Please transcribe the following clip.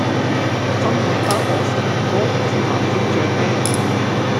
真係呃我膝頭哥唔食辣椒醬咩